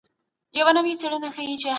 بریالي خلګ د وخت قدر کوي.